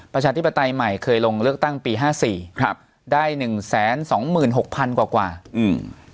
ประชาธิปไตยใหม่เคยลงเลือกตั้งปีห้าสี่ครับได้หนึ่งแสนสองหมื่นหกพันกว่ากว่าอืม